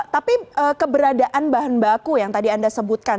tapi keberadaan bahan baku yang tadi anda sebutkan